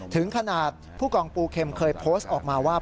ถึงขนาดผู้กองปูเข็มเคยโพสต์ออกมาว่า